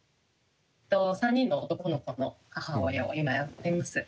３人の男の子の母親を今やっています。